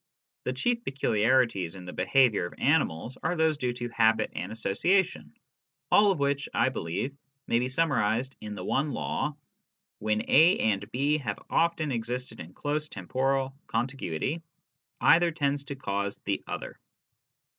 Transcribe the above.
The chief peculiarities in the behaviour of animals are those due to habit and association, all of which, I believe, may be summarised in the one law :" When A and B have often existed in close temporal contiguity, either tends to cause the other."